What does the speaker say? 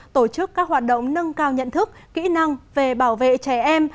tổ chức các hoạt động nâng cao nhận thức kỹ năng về bảo vệ trẻ em